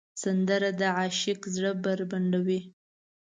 سندره د عاشق زړه بربنډوي